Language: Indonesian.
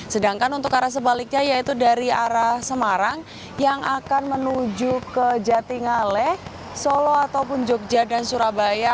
sedangkan untuk arah sebaliknya yaitu dari arah semarang yang akan menuju ke jatinggale solo ataupun jogja dan surabaya